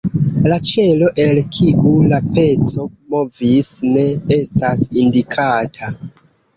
La ĉelo, el kiu la peco movis, ne estas indikata.